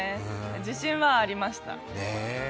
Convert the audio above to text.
自信はありました。